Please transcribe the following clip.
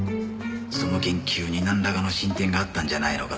その研究になんらかの進展があったんじゃないのかってな。